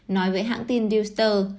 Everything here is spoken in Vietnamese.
nói với hãng tin dewster